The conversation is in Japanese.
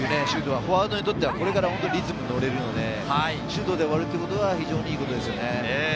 フォワードにとっては、これからリズムにのれるので、シュートで終われるのは非常にいいことですね。